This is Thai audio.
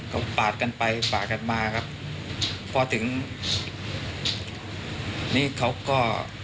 เขาปาดกันไปปาดกันมาครับพอถึงนี่เขาก็